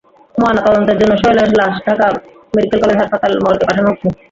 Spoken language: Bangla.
ময়নাতদন্তের জন্য সোহেলের লাশ ঢাকা মেডিকেল কলেজ হাসপাতালের মর্গে পাঠানো হচ্ছে।